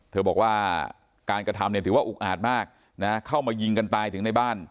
เธอบอกว่าการกระทำเนี่ยถือว่าอุกอาจมากเข้ามายิงกันตายถึงในบ้าน